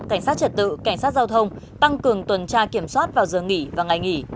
cảnh sát trật tự cảnh sát giao thông tăng cường tuần tra kiểm soát vào giờ nghỉ và ngày nghỉ